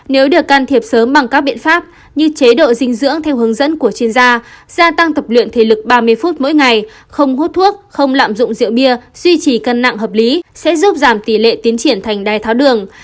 nếu được can thiệp sớm bằng các biện pháp như chế độ dinh dưỡng theo hướng dẫn của chuyên gia gia tăng tập luyện thể lực ba mươi phút mỗi ngày không hút thuốc không lạm dụng rượu bia duy trì cân nặng hợp lý sẽ giúp giảm tỷ lệ tiến triển thành đai tháo đường